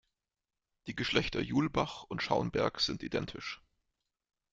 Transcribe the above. Die Geschlechter Julbach und Schaunberg sind identisch.